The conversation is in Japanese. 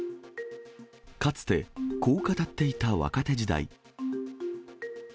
かつてこう語っていた若手時代。